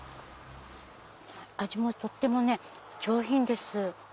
味もとっても上品です。